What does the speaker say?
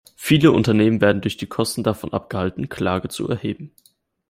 Viele Unternehmen werden durch die Kosten davon abgehalten, Klage zu erheben.